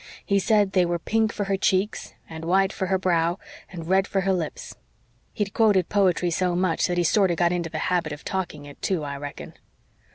He said they were pink for her cheeks and white for her brow and red for her lips. He'd quoted poetry so much that he sorter got into the habit of talking it, too, I reckon.